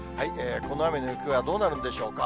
この雨の行方はどうなるんでしょうか。